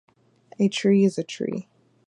A tree is a tree.